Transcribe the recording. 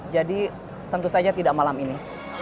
jadi tentu saja tidak malam ini